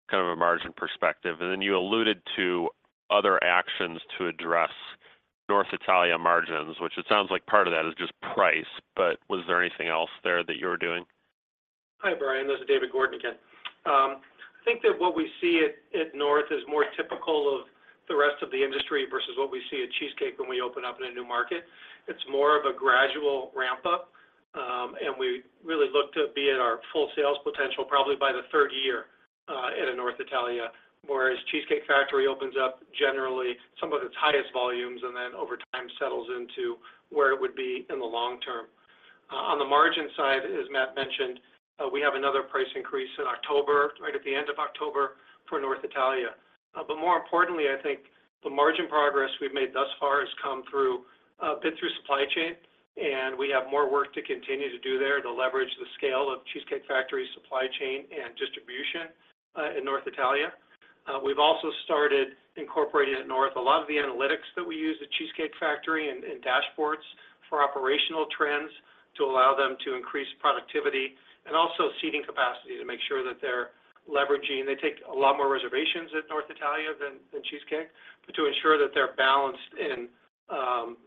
kind of a margin perspective. Then you alluded to other actions to address North Italia margins, which it sounds like part of that is just price, but was there anything else there that you were doing?
Hi, Brian. This is David Gordon again. I think that what we see at, at North is more typical of the rest of the industry versus what we see at Cheesecake when we open up in a new market. It's more of a gradual ramp-up, and we really look to be at our full sales potential, probably by the third year in a North Italia. Whereas Cheesecake Factory opens up generally some of its highest volumes, and then over time, settles into where it would be in the long term. On the margin side, as Matt mentioned, we have another price increase in October, right at the end of October, for North Italia. More importantly, I think the margin progress we've made thus far has been through supply chain, and we have more work to continue to do there to leverage the scale of Cheesecake Factory supply chain and distribution in North Italia. We've also started incorporating at North a lot of the analytics that we use at Cheesecake Factory and dashboards for operational trends to allow them to increase productivity and also seating capacity to make sure that they're leveraging. They take a lot more reservations at North Italia than Cheesecake, but to ensure that they're balanced in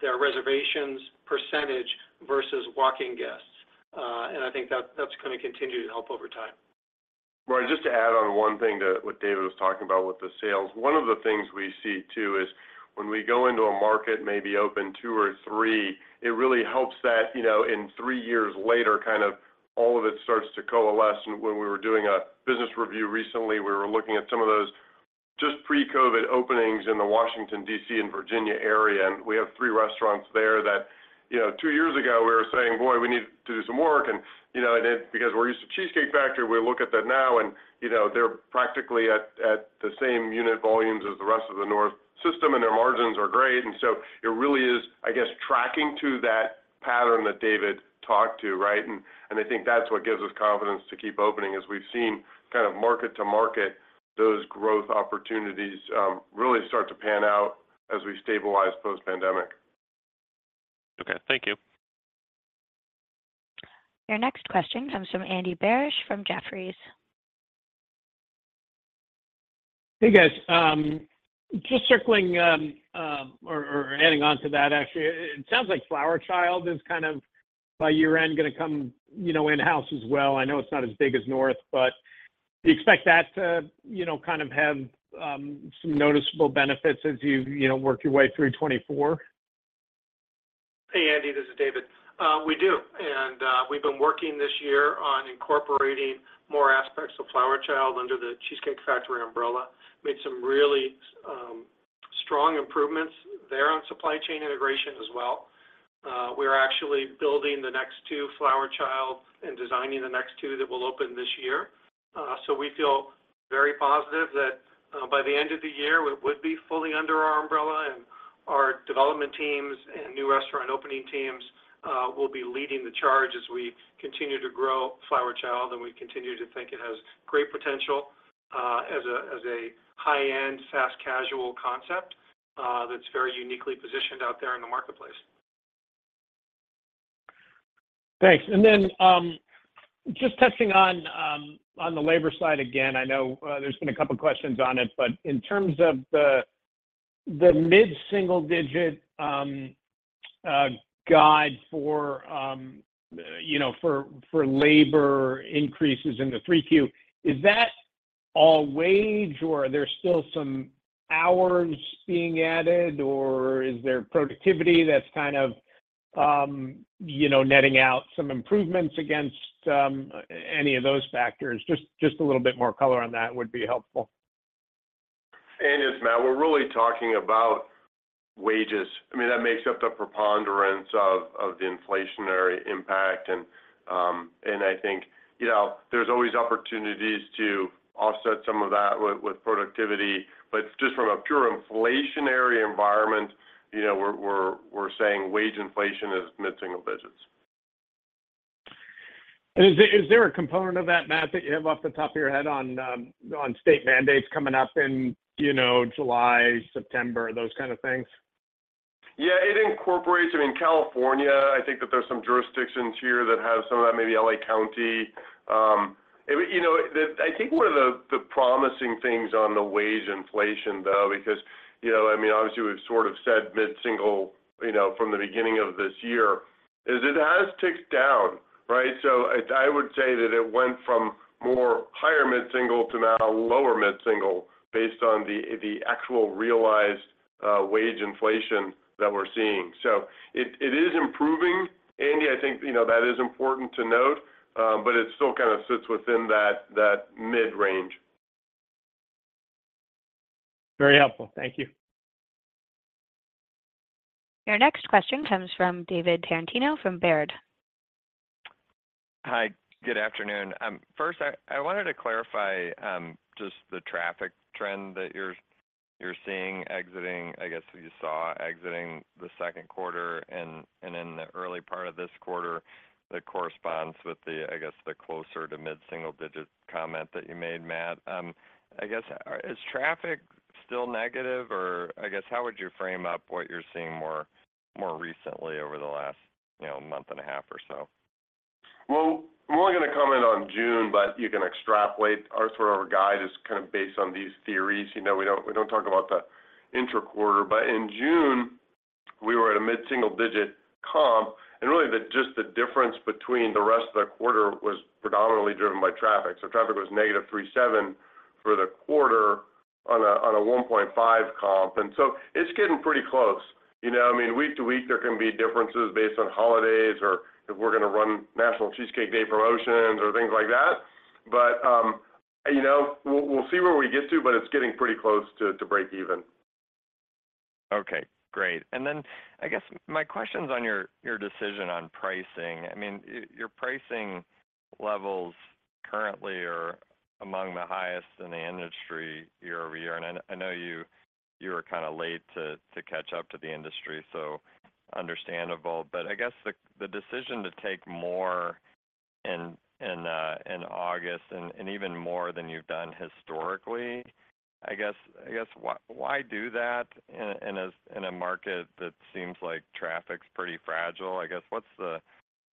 their reservations percentage versus walk-in guests. I think that's gonna continue to help over time.
Brian, just to add on one thing to what David was talking about with the sales. One of the things we see, too, is when we go into a market, maybe open two or three, it really helps that, you know, in three years later, kind of all of it starts to coalesce. When we were doing a business review recently, we were looking at some of those just pre-COVID openings in the Washington, D.C., and Virginia area, and we have three restaurants there that, you know, two years ago, we were saying: "Boy, we need to do some work." You know, and then because we're used to Cheesecake Factory, we look at that now, and, you know, they're practically at the same unit volumes as the rest of the North system, and their margins are great. It really is, I guess, tracking to that pattern that David talked to, right? I think that's what gives us confidence to keep opening, as we've seen kind of market to market, those growth opportunities, really start to pan out as we stabilize post-pandemic.
Okay, thank you.
Your next question comes from Andy Barish, from Jefferies.
Hey, guys. Just circling, or, or adding on to that, actually, it sounds like Flower Child is kind of, by year-end, gonna come, you know, in-house as well. I know it's not as big as North, but do you expect that to, you know, kind of have, some noticeable benefits as you, you know, work your way through 2024?
Hey, Andy, this is David. We do. We've been working this year on incorporating more aspects of Flower Child under The Cheesecake Factory umbrella. Made some really strong improvements there on supply chain integration as well. We're actually building the next two Flower Child and designing the next two that will open this year. We feel very positive that by the end of the year, it would be fully under our umbrella, and our development teams and new restaurant opening teams will be leading the charge as we continue to grow Flower Child. We continue to think it has great potential as a high-end, fast-casual concept that's very uniquely positioned out there in the marketplace.
Thanks. Then, just touching on, on the labor side again, I know, there's been a couple of questions on it, but in terms of the, the mid-single-digit, guide for, you know, for, for labor increases in the 3Q, is that all wage, or are there still some hours being added or-? Is there productivity that's kind of, you know, netting out some improvements against, any of those factors? Just, just a little bit more color on that would be helpful.
Andy, it's Matt. We're really talking about wages. I mean, that makes up the preponderance of the inflationary impact. I think, you know, there's always opportunities to offset some of that with productivity. Just from a pure inflationary environment, you know, we're saying wage inflation is mid-single digits.
Is there, is there a component of that, Matt, that you have off the top of your head on, on state mandates coming up in, you know, July, September, those kind of things?
Yeah, it incorporates... I mean, California, I think that there's some jurisdictions here that have some of that, maybe L.A. County. It, you know, I think one of the promising things on the wage inflation, though, because, you know, I mean, obviously, we've sort of said mid-single, you know, from the beginning of this year, is it has ticked down, right? I, I would say that it went from more higher mid-single to now lower mid-single based on the, the actual realized wage inflation that we're seeing. It, it is improving, Andy. I think, you know, that is important to note, but it still kind of sits within that, that mid-range.
Very helpful. Thank you.
Your next question comes from David Tarantino from Baird.
Hi, good afternoon. First, I, I wanted to clarify, just the traffic trend that you're, you're seeing exiting... I guess, you saw exiting the second quarter and, and in the early part of this quarter, that corresponds with the, I guess, the closer to mid-single-digit comment that you made, Matt. I guess, is traffic still negative? I guess, how would you frame up what you're seeing more, more recently over the last, you know, month and a half or so?
Well, I'm only gonna comment on June, but you can extrapolate. Our sort of our guide is kind of based on these theories. You know, we don't, we don't talk about the interquarter, but in June, we were at a mid-single-digit comp, and really, the just the difference between the rest of the quarter was predominantly driven by traffic. Traffic was -3.7% for the quarter on a 1.5% comp. It's getting pretty close. You know, I mean, week-to-week, there can be differences based on holidays or if we're gonna run National Cheesecake Day promotions or things like that. You know, we'll, we'll see where we get to, but it's getting pretty close to, to break even.
Okay, great. I guess my questions on your, your decision on pricing. I mean, your, your pricing levels currently are among the highest in the industry year-over-year, and I, I know you were kind of late to, to catch up to the industry, so understandable. I guess the, the decision to take more in, in August and, and even more than you've done historically, I guess, why, why do that in a, in a, in a market that seems like traffic's pretty fragile? I guess, what's the,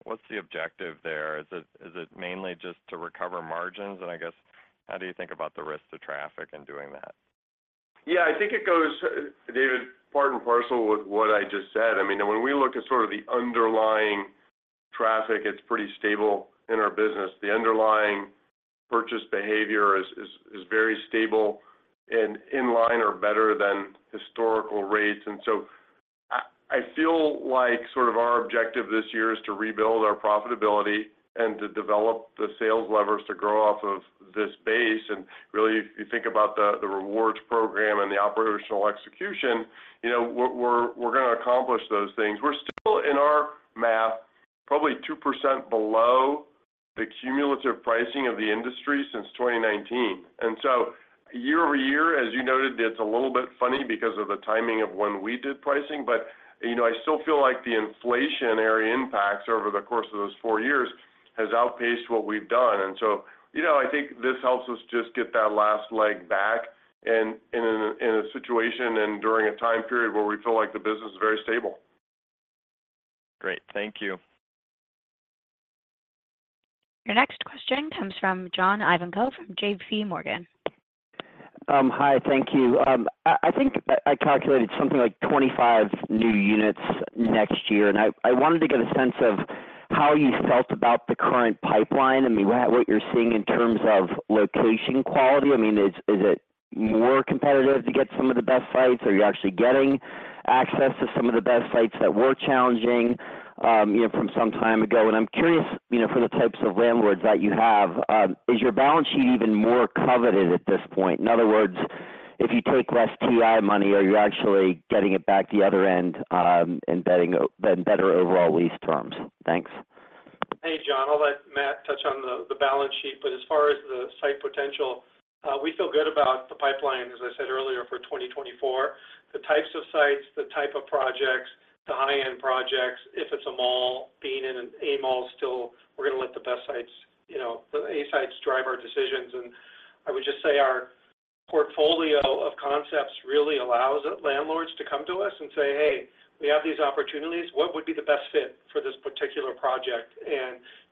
what's the objective there? Is it, is it mainly just to recover margins? I guess, how do you think about the risk to traffic in doing that?
Yeah, I think it goes, David, part and parcel with what I just said. I mean, when we look at sort of the underlying traffic, it's pretty stable in our business. The underlying purchase behavior is, is, is very stable and in line or better than historical rates. I, I feel like sort of our objective this year is to rebuild our profitability and to develop the sales levers to grow off of this base. Really, if you think about the, the rewards program and the operational execution, you know, we're, we're, we're gonna accomplish those things. We're still, in our math, probably 2% below the cumulative pricing of the industry since 2019. Year-over-year, as you noted, it's a little bit funny because of the timing of when we did pricing. You know, I still feel like the inflationary impacts over the course of those four years has outpaced what we've done. You know, I think this helps us just get that last leg back and in a, in a situation and during a time period where we feel like the business is very stable.
Great. Thank you.
Your next question comes from John Ivankoe from JPMorgan.
Hi, thank you. I think I calculated something like 25 new units next year, and I wanted to get a sense of how you felt about the current pipeline. I mean, what, what you're seeing in terms of location quality. I mean, is, is it more competitive to get some of the best sites? Are you actually getting access to some of the best sites that were challenging, you know, from some time ago? I'm curious, you know, for the types of landlords that you have, is your balance sheet even more coveted at this point? In other words, if you take less TI money, are you actually getting it back the other end, and then better overall lease terms? Thanks.
Hey, John. I'll let Matt touch on the, the balance sheet, but as far as the site potential, we feel good about the pipeline, as I said earlier, for 2024. The types of sites, the type of projects, the high-end projects, if it's a mall, being in an A mall, still, we're gonna let the best sites, you know, the A sites drive our decisions. I would just say our portfolio of concepts really allows landlords to come to us and say, "Hey, we have these opportunities. What would be the best fit for this particular project?"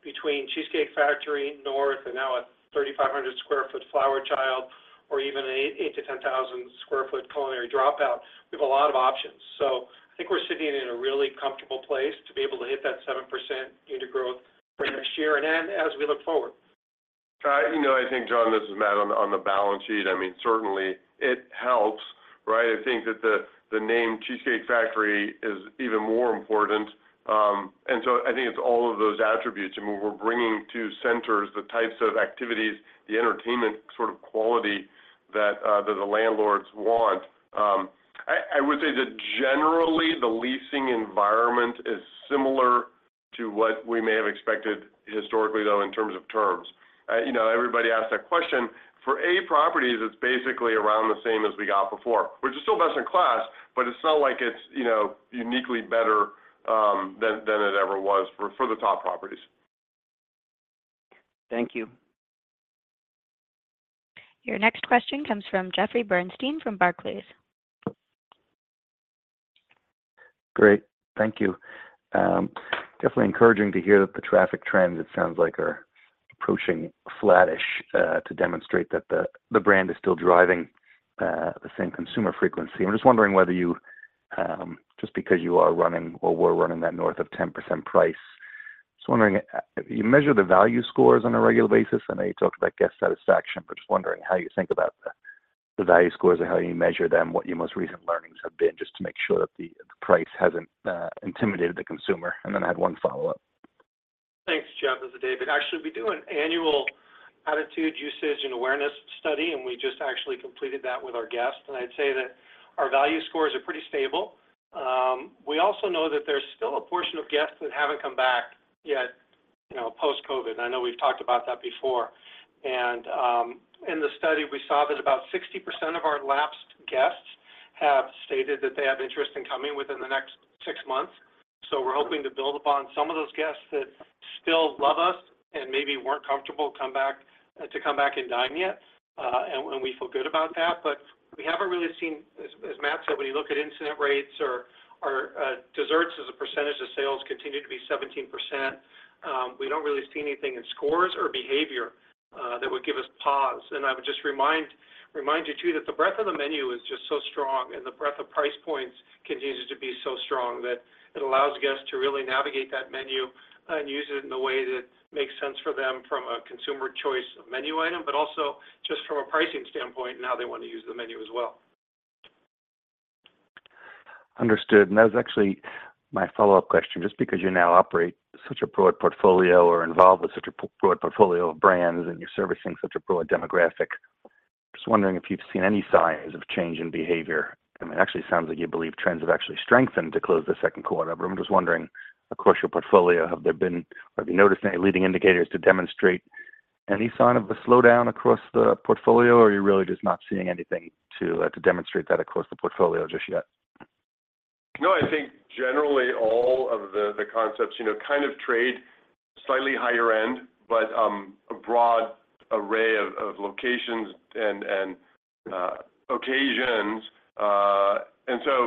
Between Cheesecake Factory North and now a 3,500 sq ft Flower Child, or even an 8,000-10,000 sq ft Culinary Dropout, we have a lot of options. I think we're sitting in a really comfortable place to be able to hit that 7% unit growth for next year and then as we look forward.
You know, I think, John, this is Matt, on the, on the balance sheet, I mean, certainly it helps, right? I think that the, the name Cheesecake Factory is even more important. So I think it's all of those attributes, and we're bringing to centers the types of activities, the entertainment sort of quality that, that the landlords want. I, I would say that generally, the leasing environment is similar to what we may have expected historically, though, in terms of terms. you know, everybody asks that question. For A properties, it's basically around the same as we got before, which is still best in class, but it's not like it's, you know, uniquely better, than, than it ever was for, for the top properties.
Thank you.
Your next question comes from Jeffrey Bernstein from Barclays.
Great. Thank you. Definitely encouraging to hear that the traffic trends, it sounds like, are approaching flattish to demonstrate that the namesake brand is still driving the same consumer frequency. I'm just wondering whether you, just because you are running or were running that north of 10% price, just wondering, you measure the value scores on a regular basis? I know you talked about guest satisfaction, just wondering how you think about the value scores and how you measure them, what your most recent learnings have been, just to make sure that the price hasn't intimidated the consumer. Then I had 1 follow-up.
Thanks, Jeff. This is David. Actually, we do an annual attitude, usage, and awareness study, and we just actually completed that with our guests, and I'd say that our value scores are pretty stable. We also know that there's still a portion of guests that haven't come back yet, you know, post-COVID. I know we've talked about that before. In the study, we saw that about 60% of our lapsed guests have stated that they have interest in coming within the next 6 months. We're hoping to build upon some of those guests that still love us and maybe weren't comfortable, come back, to come back and dine yet. And we feel good about that, but we haven't really seen... As Matt said, when you look at incident rates or, or desserts as a percentage of sales continue to be 17%, we don't really see anything in scores or behavior that would give us pause. I would just remind, remind you, too, that the breadth of the menu is just so strong, and the breadth of price points continues to be so strong, that it allows guests to really navigate that menu and use it in a way that makes sense for them from a consumer choice of menu item, but also just from a pricing standpoint and how they want to use the menu as well.
Understood. That was actually my follow-up question. Just because you now operate such a broad portfolio or are involved with such a broad portfolio of brands, and you're servicing such a broad demographic, just wondering if you've seen any signs of change in behavior. I mean, actually, it sounds like you believe trends have actually strengthened to close the second quarter. I'm just wondering, across your portfolio, have you noticed any leading indicators to demonstrate any sign of a slowdown across the portfolio, or are you really just not seeing anything to demonstrate that across the portfolio just yet?
No, I think generally all of the concepts, you know, kind of trade slightly higher end, but a broad array of locations and occasions.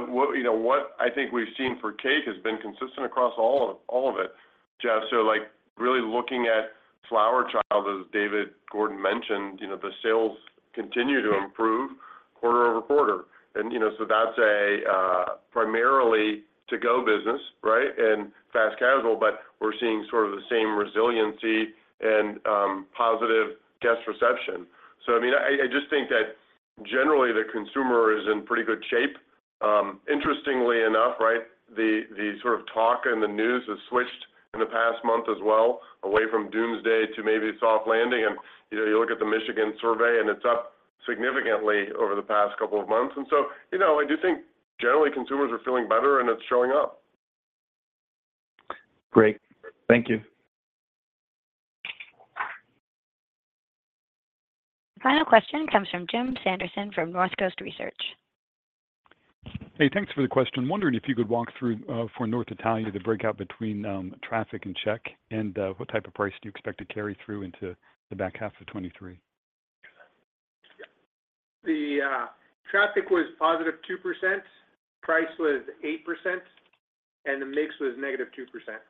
What, you know, what I think we've seen for cake has been consistent across all of it, Jeff. Like, really looking at Flower Child, as David Gordon mentioned, you know, the sales continue to improve quarter-over-quarter. You know, so that's a primarily to-go business, right, and fast casual, but we're seeing sort of the same resiliency and positive guest reception. I mean, I just think that generally, the consumer is in pretty good shape. Interestingly enough, right, the sort of talk in the news has switched in the past month as well, away from doomsday to maybe soft landing. You know, you look at the Michigan survey, and it's up significantly over the past couple of months. So, you know, I do think generally consumers are feeling better, and it's showing up.
Great. Thank you.
Final question comes from Jim Sanderson from Northcoast Research.
Hey, thanks for the question. Wondering if you could walk through for North Italia, the breakout between traffic and check, and what type of price do you expect to carry through into the back half of 2023?
The traffic was +2%, price was 8%, and the mix was -2%.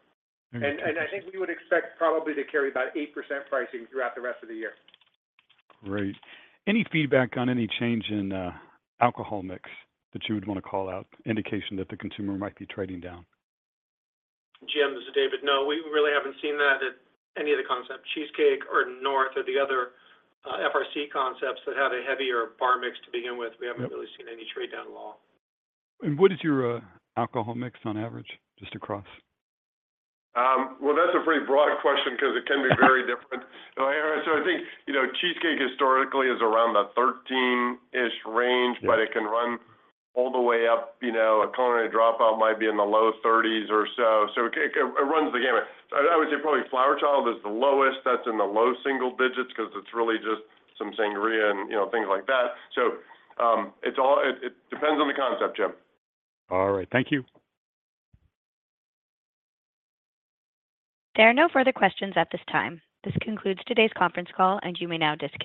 Okay.
I think we would expect probably to carry about 8% pricing throughout the rest of the year.
Great. Any feedback on any change in alcohol mix that you would want to call out, indication that the consumer might be trading down?
Jim, this is David. No, we really haven't seen that at any of the concepts, Cheesecake or North or the other, FRC concepts that have a heavier bar mix to begin with.
Yep.
We haven't really seen any trade down at all.
What is your alcohol mix on average, just across?
Well, that's a pretty broad question because it can be very different. I think, you know, Cheesecake historically is around the thirteen-ish range.
Yeah.
But it can run all the way up, you know, a Culinary Dropout might be in the low thirties or so. It, it, it runs the gamut. I would say probably Flower Child is the lowest. That's in the low single digits because it's really just some sangria and, you know, things like that. It, it depends on the concept, Jim.
All right. Thank you.
There are no further questions at this time. This concludes today's conference call. You may now disconnect.